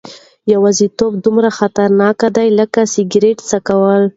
یوازیتوب دومره خطرناک دی لکه سګرټ څکول.